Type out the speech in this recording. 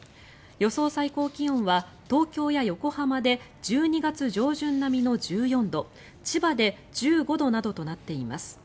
予想最高気温は東京や横浜で１２月上旬並みの１４度千葉で１５度などとなっています。